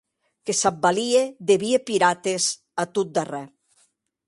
Que s'ac valie de vier pirates, a tot darrèr.